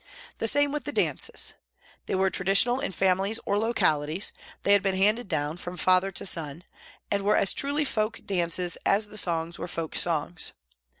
The same with the dances. They were traditional in families or locali ties, they had been handed down from father to son, and were as truly folk dances as the songs were folk songs.